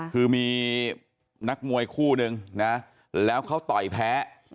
คือมีนักมวยคู่นึงนะแล้วเขาต่อยแพ้